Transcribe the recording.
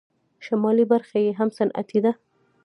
شمالي برخه یې هم صنعتي ده.